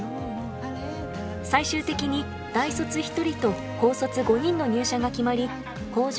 最終的に大卒１人と高卒５人の入社が決まり向上